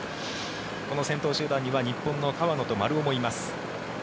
この先頭集団には日本の川野と丸尾もいます。